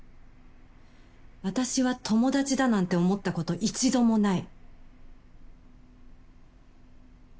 私は友達だなんて思ったこと一度もない。